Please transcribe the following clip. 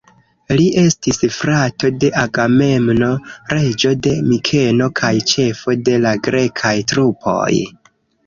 Li estis frato de Agamemno, reĝo de Mikeno kaj ĉefo de la grekaj trupoj.